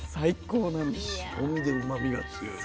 白身でうまみが強いと。